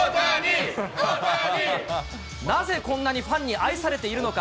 なぜこんなにファンに愛されているのか。